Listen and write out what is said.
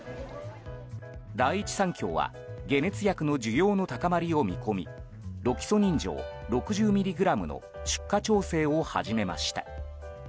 第一三共は解熱薬の需要の高まりを見込みロキソニン錠６０ｍｇの出荷調整を始めました。